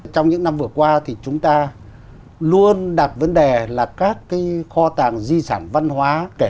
trong những năm vừa qua thì chúng ta luôn đặt vấn đề là các cái kho tàng di sản văn hóa kể